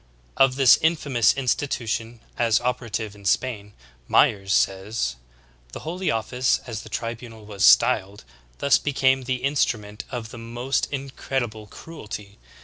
Of this infamous institution as opera tive in Spain, Myers says : "The Holy Office, as the tribunal was styled, thus became the instrument of the most incredi ble cruelty.